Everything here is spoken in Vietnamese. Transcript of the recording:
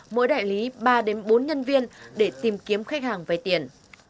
mỗi đại lý ba bốn nhân viên để tìm kiếm khách hàng về tiền